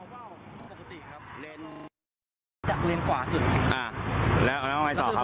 เรียนจากเรียนขวาสุดอ่าแล้วแล้วทำไมสอบครับ